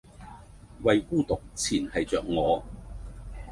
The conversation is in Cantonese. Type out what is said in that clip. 為孤獨纏繫著我